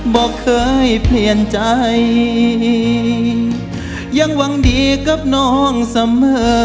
บอกเคยเปลี่ยนใจยังหวังดีกับน้องเสมอ